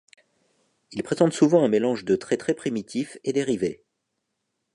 Ils présentent souvent un mélange de traits très primitifs et dérivés.